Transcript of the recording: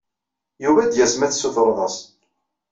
Yuba ad d-yas ma tessutreḍ-as.